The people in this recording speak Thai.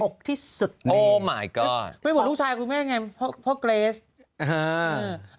ออกที่สุดโอ้หมายก็อดไม่ว่าลูกชายกูแม่ไงพ่อพ่อเกรสอ่า